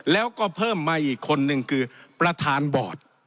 แล้วก็เพิ่มมาอีกคนนึงคือประธานบอร์ด